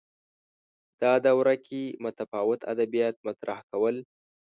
دا دوره کې متفاوت ادبیات مطرح کول